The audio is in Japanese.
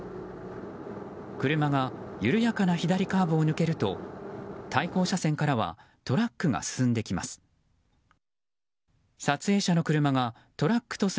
車が緩やかな左カーブを抜けると対向車線からはトラックが進んできます。